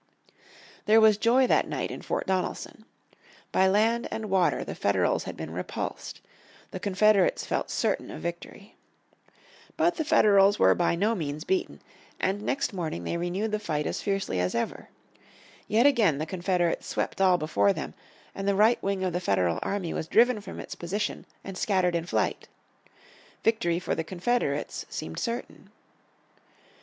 There was joy that night in Fort Donelson. By land and water the Federals had been repulsed. The Confederates felt certain of victory. But the Federals were by no means beaten, and next morning they renewed the fight as fiercely as ever. Yet again the Confederates swept all before them, and the right wing of the Federal army was driven from its position and scattered in flight. Victory for the Confederates seemed certain.